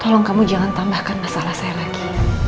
tolong kamu jangan tambahkan masalah saya lagi